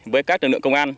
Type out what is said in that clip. với các lực lượng công an